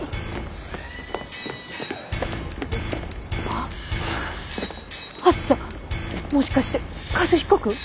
あっはっさもしかして和彦君？